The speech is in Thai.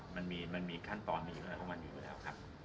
มันมีขั้นตอนมีเงินเข้ามาอยู่แล้ว